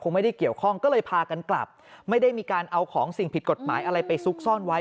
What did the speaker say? ไม่ได้เกี่ยวข้องก็เลยพากันกลับไม่ได้มีการเอาของสิ่งผิดกฎหมายอะไรไปซุกซ่อนไว้